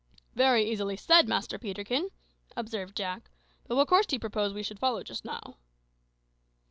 "Very easily said, Master Peterkin," observed Jack; "but what course do you propose we should follow just now?"